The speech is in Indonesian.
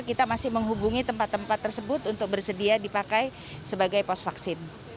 kita masih menghubungi tempat tempat tersebut untuk bersedia dipakai sebagai pos vaksin